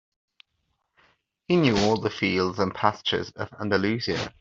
He knew all the fields and pastures of Andalusia.